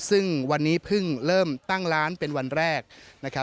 ซึ่งวันนี้เพิ่งเริ่มตั้งร้านเป็นวันแรกนะครับ